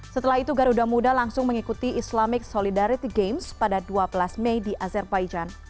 setelah itu garuda muda langsung mengikuti islamic solidarity games pada dua belas mei di azerbaijan